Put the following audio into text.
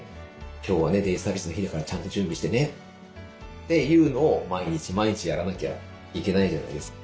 「今日はねデイサービスの日だからちゃんと準備してね」っていうのを毎日毎日やらなきゃいけないじゃないですか。